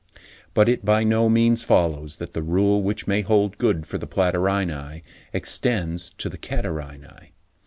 But, it by no means follows, that the rule which may hold good for the Platyrrhini extends to the Catarrhini.